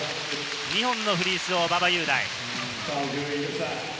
２本のフリースロー、馬場雄大。